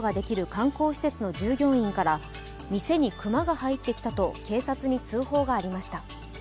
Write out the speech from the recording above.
観光施設の従業員から店に熊が入ってきたと警察に通報がありました。